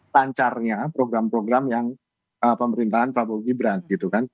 lancarnya program program yang pemerintahan prabowo gibran gitu kan